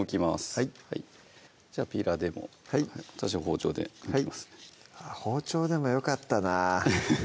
はいピーラーでも私は包丁でむきます包丁でもよかったなぁフフフッ